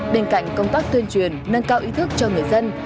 bên cạnh công tác tuyên truyền nâng cao ý thức cho người dân